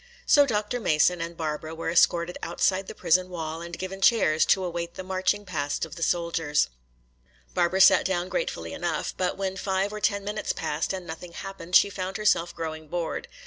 So Dr. Mason and Barbara were escorted outside the prison wall and given chairs to await the marching past of the soldiers. Barbara sat down gratefully enough. But when five or ten minutes passed and nothing happened she found herself growing bored. Dr.